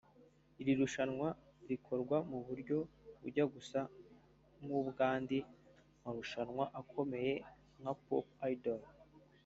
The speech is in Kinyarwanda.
Iri rushanwa rikorwa mu buryo bujya gusa nk’ubw’andi marushanwa akomeye nka Pop Idol